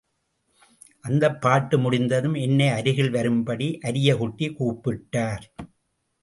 அந்தப் பாட்டு முடிந்ததும் என்னை அருகில் வரும்படி அரியக்குடி கூப்பிட்டார்.